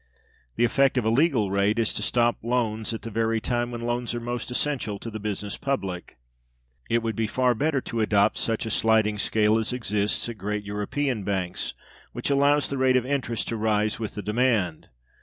The effect of a legal rate is to stop loans at the very time when loans are most essential to the business public. It would be far better to adopt such a sliding scale as exists at great European banks, which allows the rate of interest to rise with the demand.